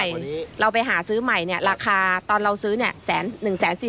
หมายความว่าเข้าออกขายออกอย่างนี้